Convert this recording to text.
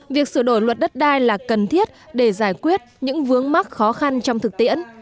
việc sửa đổi luật đất đai là cần thiết để giải quyết những vướng mắc khó khăn trong thực tiễn